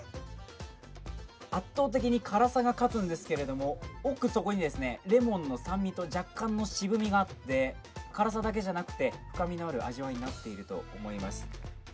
圧倒的に辛さが勝つんですけど奥底にレモンの酸味と若干の渋みがあって辛さだけじゃなくて深みのある味わいになっていると思います。